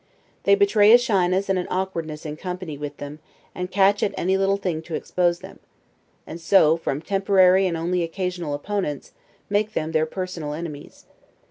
They betray a shyness and an awkwardness in company with them, and catch at any little thing to expose them; and so, from temporary and only occasional opponents, make them their personal enemies.